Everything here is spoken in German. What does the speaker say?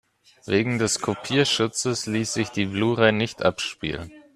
Wegen des Kopierschutzes ließ sich die Blu-ray nicht abspielen.